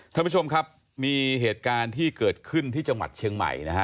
ท่านผู้ชมครับมีเหตุการณ์ที่เกิดขึ้นที่จังหวัดเชียงใหม่นะฮะ